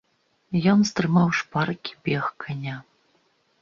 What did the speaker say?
Ён стрымаў шпаркі бег каня.